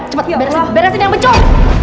cepet beresin yang becus